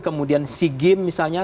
kemudian sea games misalnya